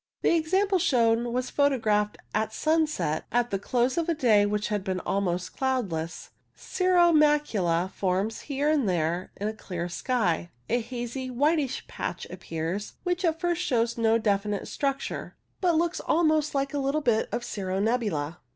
The example shown was photographed at sunset at the close of a day which had been almost cloudless. Cirro macula forms here and there in a clear sky. A hazy, whitish patch appears, which at first shows no definite structure, but looks almost 54 CIRRO STRATUS AND CIRRO CUMULUS like a little bit of cirro nebula.